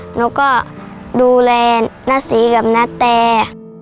หนูก็ดูแลนัสรีกับนัสแทน่า